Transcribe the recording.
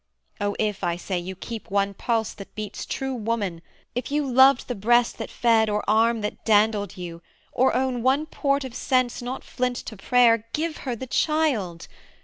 O if, I say, you keep One pulse that beats true woman, if you loved The breast that fed or arm that dandled you, Or own one port of sense not flint to prayer, Give her the child!